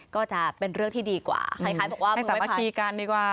ก็จะเป็นเรื่องที่ดีกว่าคล้ายบอกว่ามือไม่พักดีกันดีกว่า